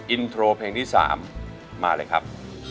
อินโทรเพลงที่๓มาเลยครับ